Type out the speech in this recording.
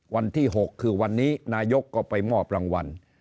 วันที่๖คือวันนี้นายกก็ไปมอบรางวัล